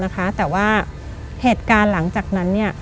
แต่ว่าเหตุการณ์หลังจากนั้นเนี่ย